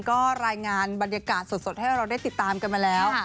ก็รายงานบรรยากาศสดให้เราได้ติดตามกันมาแล้ว